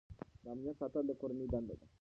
د امنیت ساتل د کورنۍ دنده ده.